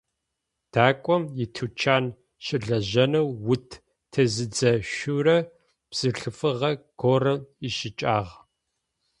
Дакӏом итучан щылэжьэнэу ут тезыдзэшъурэ бзылъфыгъэ горэ ищыкӏагъ.